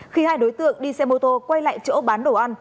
khi hai đối tượng đi xe mô tô quay lại chỗ bán đồ ăn